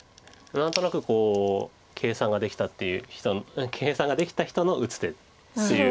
何となくこう計算ができたっていう計算ができた人の打つ手っていう。